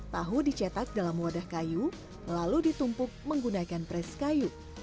tahu dicetak dalam wadah kayu lalu ditumpuk menggunakan pres kayu